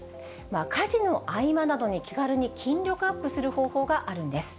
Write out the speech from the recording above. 家事の合間などに気軽に筋力アップする方法があるんです。